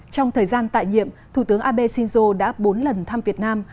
trong thời gian tại nhiệm thủ tướng abe shinzo đã bốn lần thăm việt nam